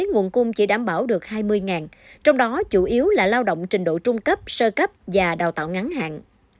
nguồn cung chỉ đảm bảo được hai mươi trong đó chủ yếu là lao động trình độ trung cấp sơ cấp và đào tạo ngắn hạn